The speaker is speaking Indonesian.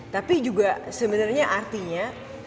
tapi juga sebenarnya artinya